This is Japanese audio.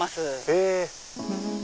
へぇ。